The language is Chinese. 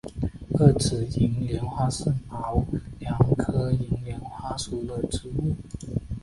二歧银莲花是毛茛科银莲花属的植物。